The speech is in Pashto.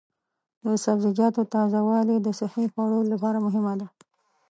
د سبزیجاتو تازه والي د صحي خوړو لپاره مهمه ده.